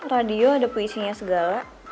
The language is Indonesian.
radio ada puisinya segala